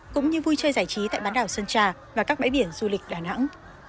cũng như vui chơi giải trí tại bán đảo sơn trà và các bãi biển du lịch đà nẵng